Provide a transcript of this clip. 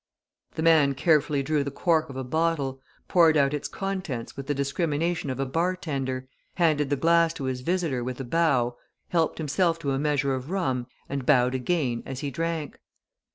The man carefully drew the cork of a bottle, poured out its contents with the discrimination of a bartender, handed the glass to his visitor with a bow, helped himself to a measure of rum, and bowed again as he drank.